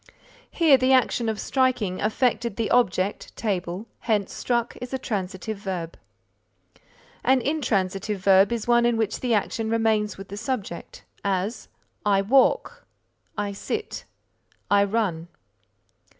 Here the action of striking affected the object table, hence struck is a transitive verb. An intransitive verb is one in which the action remains with the subject; as "I walk," "I sit," _"I run."